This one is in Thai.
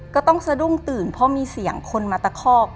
ก็ต้องสะดุ้งตื่นเพราะมีเสียงคนมาตะคอก